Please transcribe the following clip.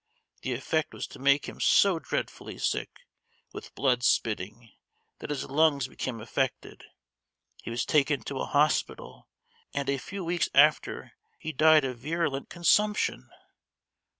The effect was to make him so dreadfully sick, with blood spitting, that his lungs became affected; he was taken to a hospital, and a few weeks after he died of virulent consumption!